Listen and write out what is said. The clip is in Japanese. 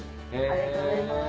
ありがとうございます。